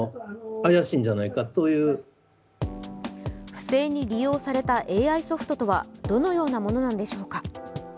不正に利用されたＡＩソフトとはどのようなものなのでしょうか。